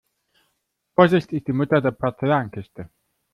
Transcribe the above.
Vorsicht ist die Mutter der Porzellankiste.